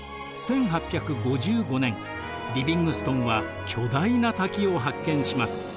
１８５５年リヴィングストンは巨大な滝を発見します。